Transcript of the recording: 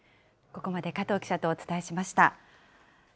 ここまで加藤記者とお伝えしました。